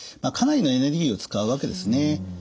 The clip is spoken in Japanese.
かなりのエネルギーを使うわけですね。